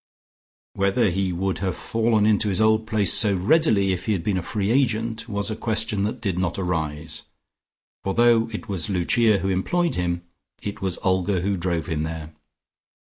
Whether he would have fallen into his old place so readily if he had been a free agent, was a question that did not arise, for though it was Lucia who employed him, it was Olga who drove him there.